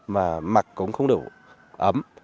mà mặt cũng không đủ ấm